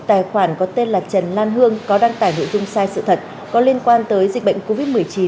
tài khoản có tên là trần lan hương có đăng tải nội dung sai sự thật có liên quan tới dịch bệnh covid một mươi chín